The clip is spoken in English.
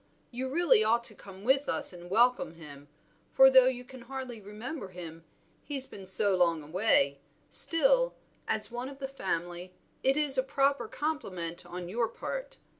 You really ought to come with us and welcome him, for though you can hardly remember him, he's been so long away, still, as one of the family, it is a proper compliment on your part.